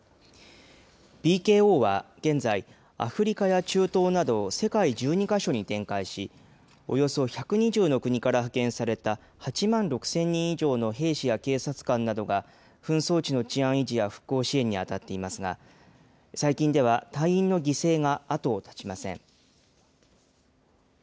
ＰＫＯは現在、アフリカや中東など世界１２か所に展開し、およそ１２０の国から派遣された、８万６０００人以上の兵士や警察官などが紛争地の治安維持や復興支援に当たっていますが、最近では、隊員の犠牲が後を絶ちません。